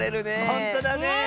ほんとだね。